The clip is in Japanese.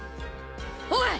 おい！